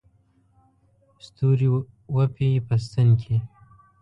ستوري وپېي په ستن کې